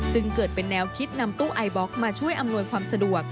จึงเกิดเป็นแนวคิดนำตู้ไอบล็อกมาช่วยอำนวยความสะดวก